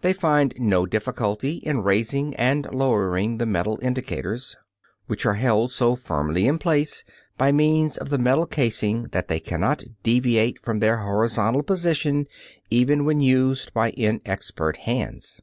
They find no difficulty in raising and lowering the metal indicators, which are held so firmly in place by means of the metal casing that they cannot deviate from their horizontal position even when used by inexpert hands.